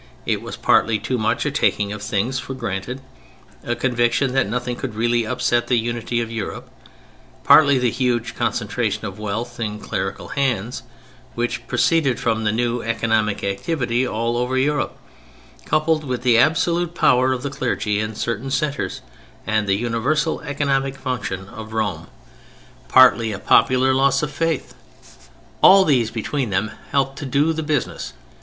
It was partly too much a taking of things for granted, a conviction that nothing could really upset the unity of Europe; partly the huge concentration of wealth in clerical hands, which proceeded from the new economic activity all over Europe, coupled with the absolute power of the clergy in certain centres and the universal economic function of Rome; partly a popular loss of faith. All these between them helped to do the business.